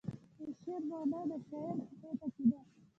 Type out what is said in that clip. د شعر معنی د شاعر په خیټه کې ده .